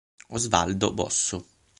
Osvaldo Bosso